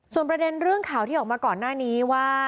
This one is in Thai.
ส่วนประเด็นเรื่องข่าวที่ออกมาก่อนหน้านี้ว่า